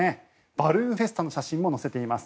バルーンフェスタの写真も載せています。